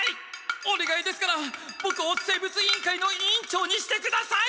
おねがいですからボクを生物委員会の委員長にしてください！